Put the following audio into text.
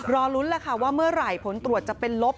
รอลุ้นแล้วค่ะว่าเมื่อไหร่ผลตรวจจะเป็นลบ